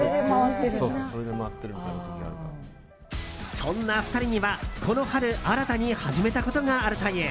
そんな２人には、この春新たに始めたことがあるという。